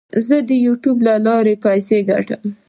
زه د یوټیوب له لارې پیسې ګټم.